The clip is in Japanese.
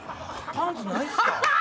パンツないっすか？